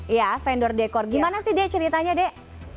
iya vendor dekor gimana sih dea ceritanya dek